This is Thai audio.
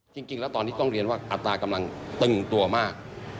จริงแล้วตอนนี้ต้องเรียนว่าอัตรากำลังตึงตัวมาก